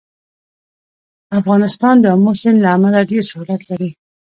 افغانستان د آمو سیند له امله ډېر شهرت لري.